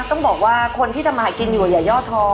ต้องบอกว่าคนที่ทำมาหากินอยู่อย่าย่อท้อ